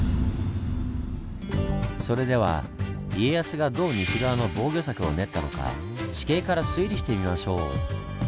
それでは家康がどう西側の防御策を練ったのか地形から推理してみましょう。